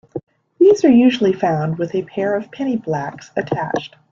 These are usually found with a pair of penny blacks attached.